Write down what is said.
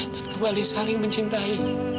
dan kembali saling mencintai